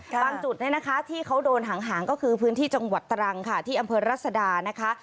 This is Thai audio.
บางจุดที่เขาโดนหางก็คือพื้นที่จังหวัดตรังที่อำเภอรัศดานะคะ